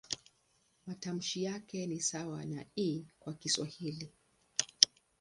Matamshi yake ni sawa na "i" kwa Kiswahili.